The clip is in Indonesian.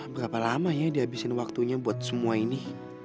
berapa lama ya dihabisin waktunya buat semua ini